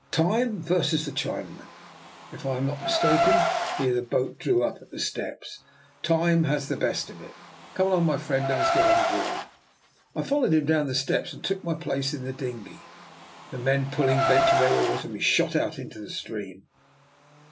" Time versus the Chinaman, and if I am not mistaken "— here the boat drew up at the steps —" time has the best of it. Come along, my friend; let us get on board.*' I followed him down the steps and took my place in the dinghy. The men pulling bent to their oars, and we shot out into the stream.